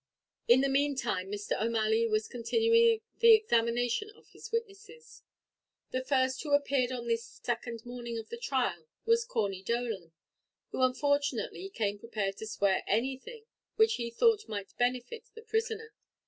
In the meantime Mr. O'Malley was continuing the examination of his witnesses. The first who appeared on this the second morning of the trial was Corney Dolan, who unfortunately came prepared to swear anything which he thought might benefit the prisoner.